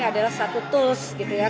adalah satu tools gitu ya